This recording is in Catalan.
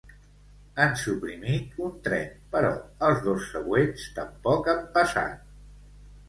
Han suprimit un tren però els dos següents tampoc han passat